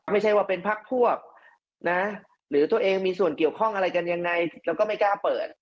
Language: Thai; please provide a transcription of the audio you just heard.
ไม่ใช่ว่าเป็นพักพวกนะหรือตัวเองมีส่วนเกี่ยวข้องอะไรกันยังไงเราก็ไม่กล้าเปิด